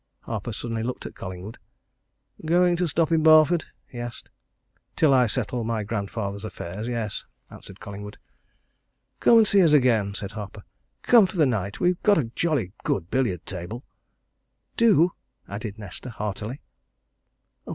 Harper suddenly looked at Collingwood. "Going to stop in Barford?" he asked. "Till I settle my grandfather's affairs yes," answered Collingwood. "Come and see us again," said Harper. "Come for the night we've got a jolly good billiard table." "Do!" added Nesta heartily.